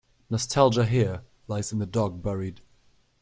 Nostalgia Here lies the dog buried.